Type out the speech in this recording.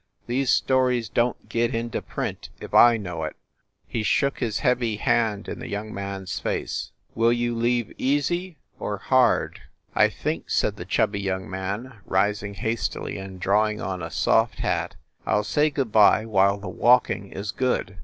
These stories don t get into print if I know it." He shook his heavy hand in the young man s face. "Will you leave easy or hard ?" "I think," said the chubby young man, rising hastily and drawing on a soft hat, "I ll say good by while the walking is good.